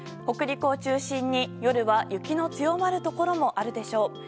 北陸を中心に夜は雪の強まるところもあるでしょう。